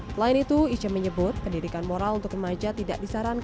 selain itu ijo menyebut pendidikan moral untuk remaja tidak disarankan disampaikan ke anak